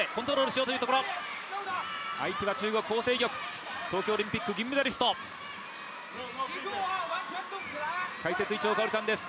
相手は中国ホウ倩玉、東京オリンピック銀メダリスト解説、伊調馨さんです。